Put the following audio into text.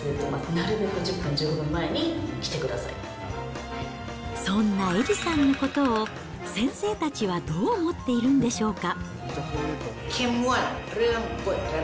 なるべく１０分、そんなエリさんのことを、先生たちはどう思っているんでしょうか。